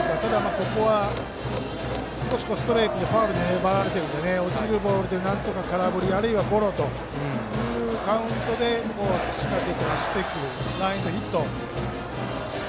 ここはストレートをファウルで粘られているので落ちるボールで空振りあるいはゴロというカウントで仕掛けて走ってくるランエンドヒット。